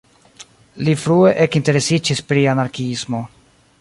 Li frue ekinteresiĝis pri anarkiismo.